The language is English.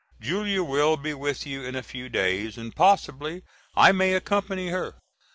Julia will be with you in a few days and possibly I may accompany her.